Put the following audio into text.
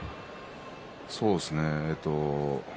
そうですね